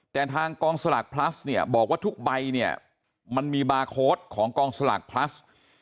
แต่ทางกองสลักพลัสบอกว่าทุกใบมีบาร์โครตของกองสลักพลัส